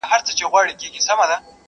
زه چي هر عمل کوم ورته مجبور یم!